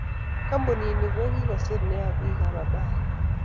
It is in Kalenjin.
Kampunini ko kosir nea bik ab abari.